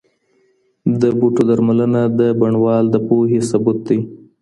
د بوټو درملنه د بڼوال د پوهي ثبوت دی.